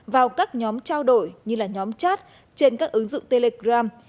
vào các nhóm trao đổi như là nhóm chat trên các ứng dụng telegram